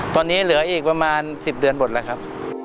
ตอนนี้เหลืออีกประมาณ๑๐เดือนหมดแล้วครับ